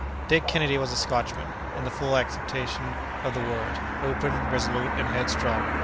Dick Kennedy was a Scotchman, in the full acceptation of the word—open, resolute, and headstrong.